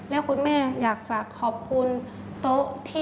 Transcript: แล้วคุณแม่อยากฝากขอบคุณโต๊ะที่